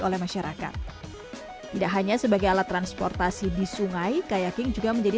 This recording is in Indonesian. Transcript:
oleh masyarakat tidak hanya sebagai alat transportasi di sungai kayaking juga menjadi